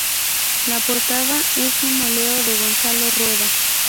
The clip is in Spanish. La portada es un óleo de Gonzalo Rueda.